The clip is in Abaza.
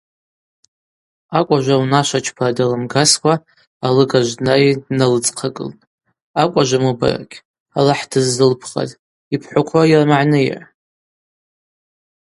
Акӏважва унашвачпара далымгаскӏва алыгажв днайын дналыдзхъагылтӏ: Акӏважва мубаракь, Аллахӏ дыззылпхаз, йбхӏваквауа йырмагӏныйа.